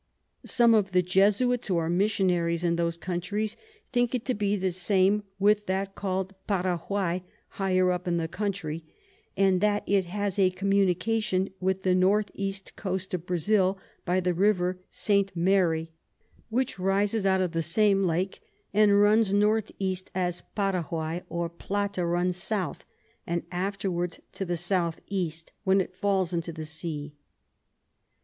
Some of the Jesuits who are Missionaries in those Countries think it to be the same with that call'd Paraguay higher up in the Country, and that it has a Communication with the North East Coast of Brazile by the River St. Meary, which rises out of the same Lake, and runs N E. as Paraguay or Plata runs S. and afterwards to the S E. when it falls into the Sea.